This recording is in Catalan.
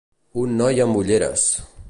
Un noi amb ulleres.